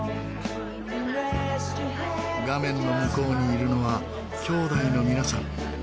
画面の向こうにいるのは姉妹の皆さん。